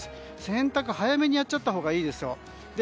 洗濯、早めにやっちゃったほうがいいですよ。